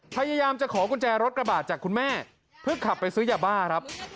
พยายามจะขอกุญแจรถกระบาดจากคุณแม่เพื่อขับไปซื้อยาบ้าครับ